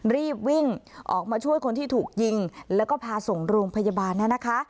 รีบวิ่งออกมาช่วยคนที่ถูกยิงแล้วก็พาส่งโรงพยาบาลนะคะ